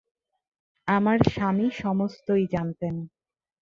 আমার স্বামী সমস্তই জানতেন।